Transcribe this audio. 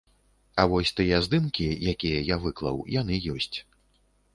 А вось тыя здымкі, якія я выклаў, яны ёсць.